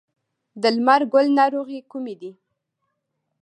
د لمر ګل ناروغۍ کومې دي؟